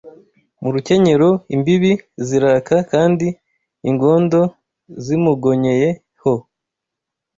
Mu rukenyero imbibi ziraka Kandi ingondo zimugonyeye ho